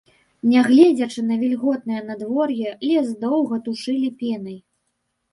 Нягледзячы на вільготнае надвор'е, лес доўга тушылі пенай.